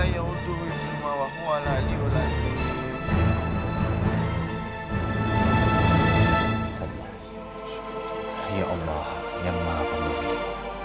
ya allah yang maha pemutusan